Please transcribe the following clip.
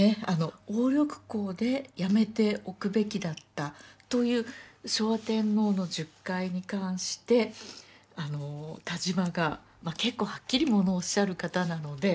「鴨緑江でやめておくべきだった」という昭和天皇の述懐に関して田島が結構はっきりものをおっしゃる方なので。